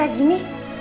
kenapa jadi gini